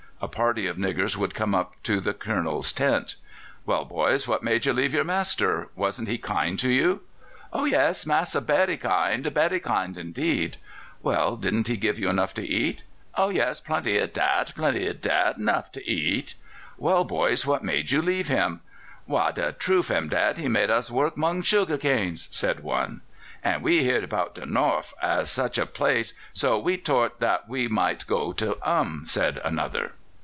A party of niggers would come up to the Colonel's tent. "Well, boys, what made you leave your master? Wasn't he kind to you?" "Oh yes, massa berry kind berry kind indeed." "Well, didn't he give you enough to eat?" "Oh yes, plenty of dat, plenty of dat 'nuff to eat." "Well, boys, what made you leave him?" "Why, de trufe am dat he made us work 'mong sugar canes," said one. "And we heerd 'bout de Norf am such a nice place, so we tort dat we would go to um," said another.